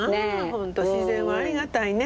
本当自然はありがたいね。